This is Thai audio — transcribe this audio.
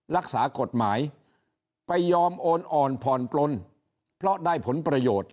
รักษากฎหมายไปยอมโอนอ่อนผ่อนปลนเพราะได้ผลประโยชน์